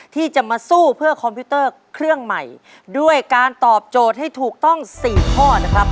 ที่จะมาสู้เพื่อคอมพิวเตอร์เครื่องใหม่ด้วยการตอบโจทย์ให้ถูกต้องสี่ข้อนะครับ